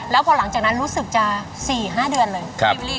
แล้วพอหลังจากนั้นรู้สึกจะ๔๕เดือนเลย